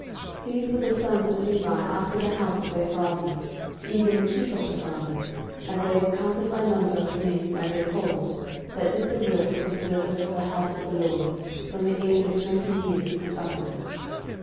13:023:024 These were the sons of Levi after the house of their fathers; even the chief of the fathers, as they were counted by number of names by their polls, that did the work for the service of the house of the LORD, from the age of twenty years and upward.